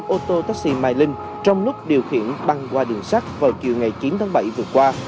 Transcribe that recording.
ô tô taxi mai linh trong lúc điều khiển băng qua đường sắt vào chiều ngày chín tháng bảy vừa qua